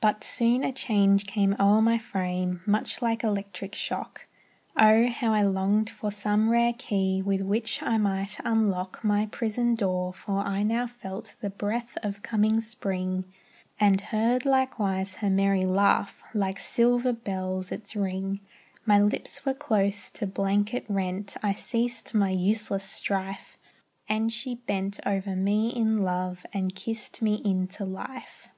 But soon a change came o'er my frame, Much like electric shock; Oh, how I longed for some rare key With which I might unlock My prison door, for I now felt The breath of coming Spring, And heard, likewise, her merry laugh, Like silver bells its ring. My lips were close to blanket rent, I ceased my useless strife, And she bent over me in love, And kissed me into life.